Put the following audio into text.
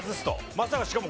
まさかしかも。